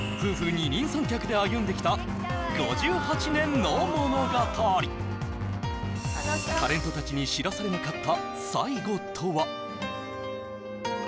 二人三脚で歩んできた５８年の物語タレントたちに知らされなかった最期とは？